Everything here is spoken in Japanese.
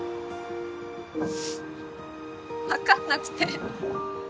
分かんなくて。